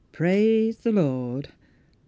Praise the Lord !